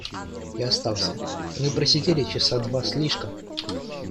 Я остался, и мы просидели часа два с лишком.